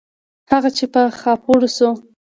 هغه چې په خاپوړو سو.